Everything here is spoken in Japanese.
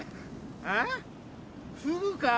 あっふぐか？